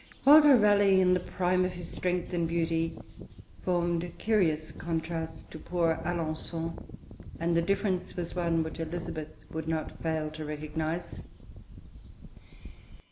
Walter Raleigh in the prime of his strength and beauty formed a curious contrast to poor Alençon, and the difference was one which Elizabeth would not fail to recognise.